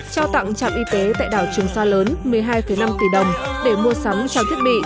cho tặng trạm y tế tại đảo trường xa lớn một mươi hai năm tỷ đồng để mua sắm cho thiết bị